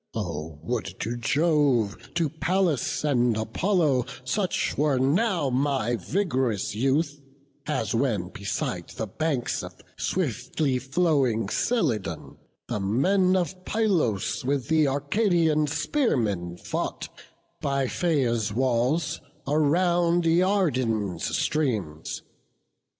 Oh would to Jove, To Pallas and Apollo, such were now My vig'rous youth, as when beside the banks Of swiftly flowing Celadon, the men Of Pylos with th' Arcadian spearmen fought, By Pheia's walls, around Iardan's streams.